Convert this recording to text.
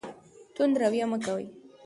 تند رویه مه کوئ.